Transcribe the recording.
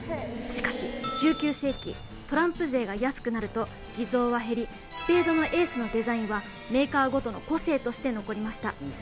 しかし１９世紀トランプ税が安くなると偽造は減りスペードのエースのデザインはメーカーごとの個性として残りました